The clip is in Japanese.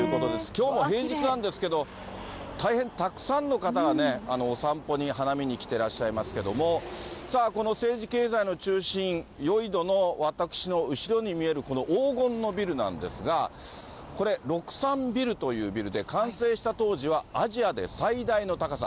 きょうも平日なんですけれども、大変たくさんの方がね、お散歩に、花見に来てらっしゃいますけど、さあ、この政治、経済の中心、ヨイドの私の後ろに見えるこの黄金のビルなんですが、これ６３ビルというビルで、完成した当時はアジアで最大の高さ。